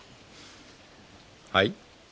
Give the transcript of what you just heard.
はい？